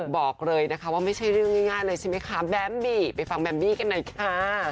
บอกเลยนะคะว่าไม่ใช่เรื่องง่ายเลยใช่ไหมคะแบมบี้ไปฟังแมมบี้กันหน่อยค่ะ